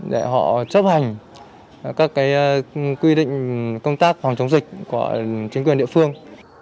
để họ chấp hành các quy định công tác phòng chống dịch của chính quyền địa phương